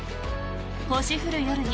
「星降る夜に」